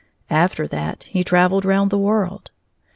After that he traveled round the world.